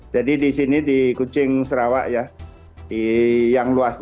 jadi di sini di kucing sarawak ya yang luasnya lumayan luas ya hampir sama dengan pulau jawa